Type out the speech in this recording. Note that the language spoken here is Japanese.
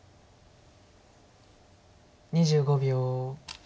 ２５秒。